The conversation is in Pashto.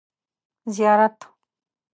ـ زیارت.